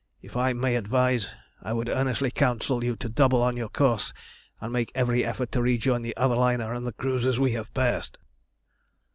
If I may advise, I would earnestly counsel you to double on your course and make every effort to rejoin the other liner and the cruisers we have passed."